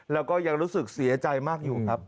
แล้วก็ยังรู้สึกเสียใจมากอยู่ครับ